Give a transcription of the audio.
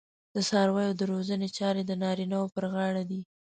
د څارویو د روزنې چارې د نارینه وو پر غاړه دي.